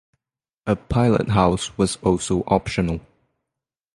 A pilothouse was also optional.